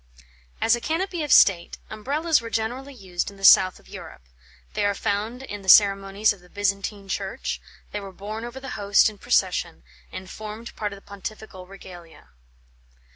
As a canopy of state, Umbrellas were generally used in the south of Europe; they are found in the ceremonies of the Byzantine Church; they were borne over the Host in procession, and formed part of the Pontifical regalia.